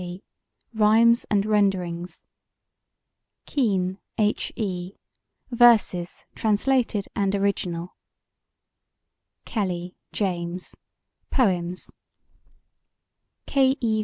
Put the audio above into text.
C.: Rhymes and Renderings KEENE, H. E.: Verses: Translated and Original KELLY, JAMES: Poems K. E.